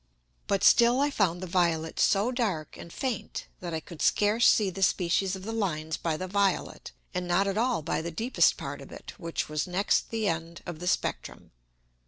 But still I found the violet so dark and faint, that I could scarce see the Species of the Lines by the violet, and not at all by the deepest Part of it, which was next the end of the Spectrum.